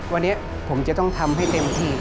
วันนี้ผมจะต้องทำให้เต็มที่